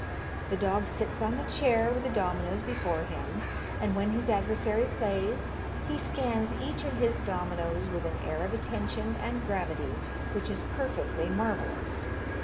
The dog sits on the chair with the dominoes before him, and when his adversary plays, he scans each of his dominoes with an air of attention and gravity which is perfectly marvellous.